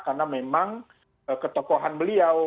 karena memang ketokohan beliau